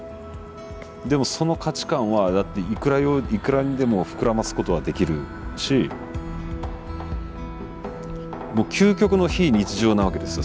でもその価値観はいくらにでも膨らますことはできるし究極の非日常なわけですよ